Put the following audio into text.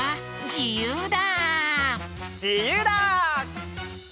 じゆうだ！